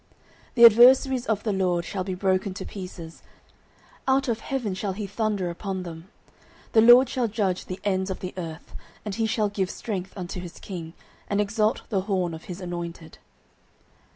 09:002:010 The adversaries of the LORD shall be broken to pieces; out of heaven shall he thunder upon them: the LORD shall judge the ends of the earth; and he shall give strength unto his king, and exalt the horn of his anointed.